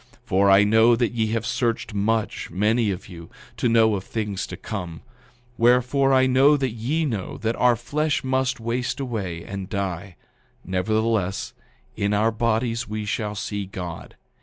9:4 For I know that ye have searched much, many of you, to know of things to come; wherefore I know that ye know that our flesh must waste away and die; nevertheless, in our bodies we shall see God.